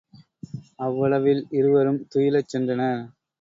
அவ்வளவில் இருவரும் துயிலச் சென்றனர்.